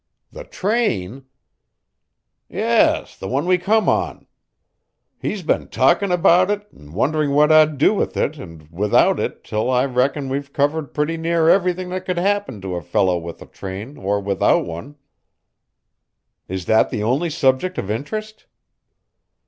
"The train?" "Yes; the one we come on. He's been talking about it, and wondering what I'd do with it and without it till I reckon we've covered pretty near everything that could happen to a fellow with a train or without one." "Is that the only subject of interest?"